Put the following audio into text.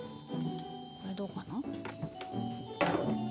これどうかな？